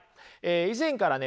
以前からね